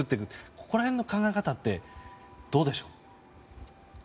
ここら辺の考え方ってどうでしょう。